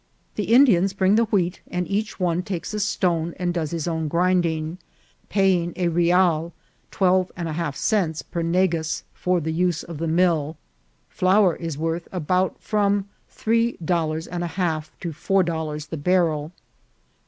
The Indians bring the wheat, and each one takes a stone and does his own grinding, pay ing a rial, twelve and a half cents, per negas for the use of the mill. Flour is worth about from three dol lars and a half to four dollars the barrel.